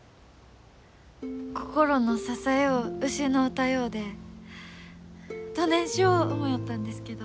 心の支よを失うたようでどねんしょう思よったんですけど。